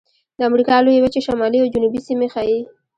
د امریکا لویې وچې شمالي او جنوبي سیمې ښيي.